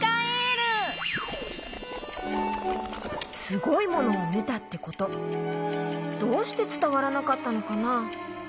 すごいものをみたってことどうしてつたわらなかったのかな？